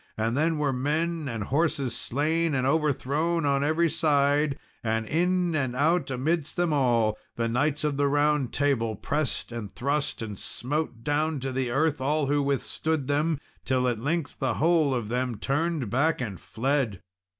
And then were men and horses slain and overthrown on every side, and in and out amidst them all, the knights of the Round Table pressed and thrust, and smote down to the earth all who withstood them, till at length the whole of them turned back and fled.